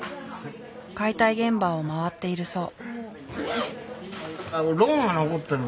解体現場を回っているそう。